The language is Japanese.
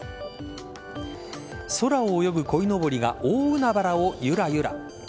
空を泳ぐこいのぼりが大海原をゆらゆら。